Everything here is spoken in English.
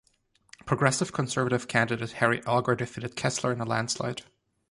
Progressive Conservative candidate Harry Alger defeated Kesler in a landslide.